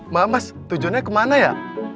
mbak mas tujuannya kemana ya